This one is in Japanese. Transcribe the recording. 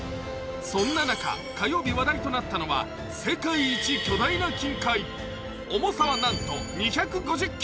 そんな中、火曜日話題となったのは世界一巨大な金塊、重さは、なんと２５０ｋｇ。